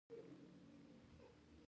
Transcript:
خو په کلیو کې دودیزې جامې شته.